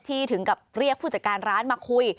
ถึงกับเรียกผู้จัดการร้านมาคุย